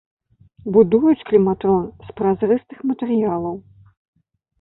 Будуюць кліматрон з празрыстых матэрыялаў.